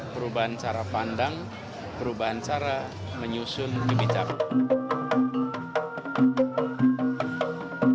perubahan cara pandang perubahan cara menyusun kebijakan